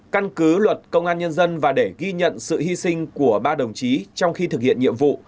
căn cứ luật công an nhân dân và để ghi nhận sự hy sinh của ba đồng chí trong khi thực hiện nhiệm vụ